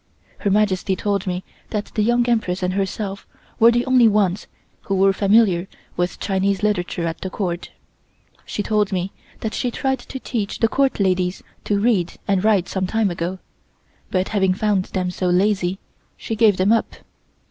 Her Majesty told me that the Young Empress and herself were the only ones who were familiar with Chinese literature at the Court. She told me that she tried to teach the Court ladies to read and write some time ago, but having found them so lazy she gave them up.